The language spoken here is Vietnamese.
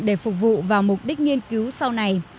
để phục vụ vào mục đích nghiên cứu